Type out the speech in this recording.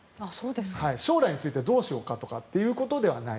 将来についてどうしようかとかっていうことではない。